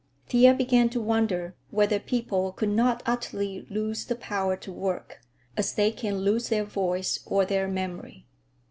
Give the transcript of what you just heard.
Thea began to wonder whether people could not utterly lose the power to work, as they can lose their voice or their memory.